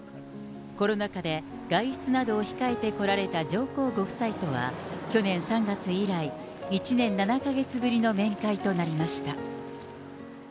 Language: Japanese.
コロナ禍で、外出などを控えてこられた上皇ご夫妻とは、去年３月以来、１年７か月ぶりの面会となりました。